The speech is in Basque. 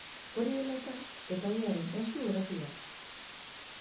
Hori dela eta, epailearen esku geratu da.